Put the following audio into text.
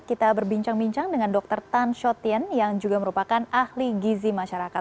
kita berbincang bincang dengan dr tan shotin yang juga merupakan ahli gizi masyarakat